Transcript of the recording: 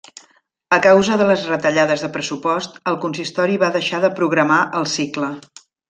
A causa de les retallades de pressupost, el consistori va deixar de programar el cicle.